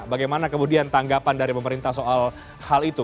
bagaimana kemudian tanggapan dari pemerintah soal hal itu